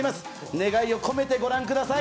願いを込めて御覧ください。